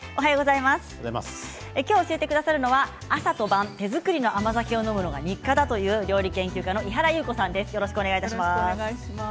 今日、教えてくださるのは朝と晩手作りの甘酒を飲むのが日課だという料理研究家の井原裕子さんです。